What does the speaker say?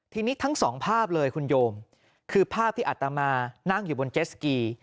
ทีนี้ทั้งสองภาพเลยคุณโยมคือภาพที่อัตมานั่งอยู่บนเจสสกี